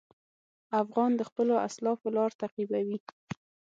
افغان د خپلو اسلافو لار تعقیبوي.